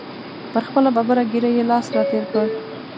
پر خپله ببره ږیره یې لاس را تېر کړ.